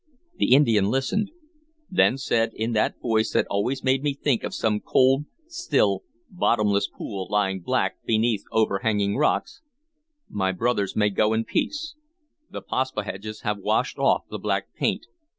The Indian listened; then said, in that voice that always made me think of some cold, still, bottomless pool lying black beneath overhanging rocks: "My brothers may go in peace. The Paspaheghs have washed off the black paint.